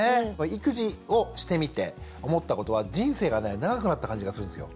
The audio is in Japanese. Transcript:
育児をしてみて思ったことは人生がね長くなった感じがするんですよ。